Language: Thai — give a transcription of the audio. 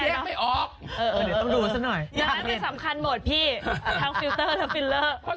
ทั้งฟิลเตอร์และฟิลเลอร์